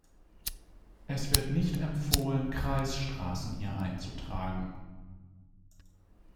Es wird nicht empfohlen, Kreisstraßen hier einzutragen.